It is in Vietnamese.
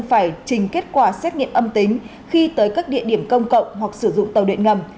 phải trình kết quả xét nghiệm âm tính khi tới các địa điểm công cộng hoặc sử dụng tàu điện ngầm